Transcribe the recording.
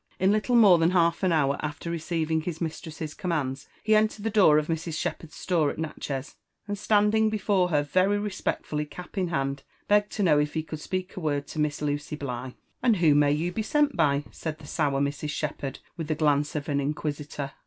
In little more than half an hour after receiving his mistress's commands, he entered the door of Mrs. Shepherd's store at Natchez, and standing before her very re spectfully cap in hand, begged to know if he could speak a word to Miss Lucy Bligh. "And who may you be sent by?" said the sour Mrs. Shepherli with the glance of an inquisitor.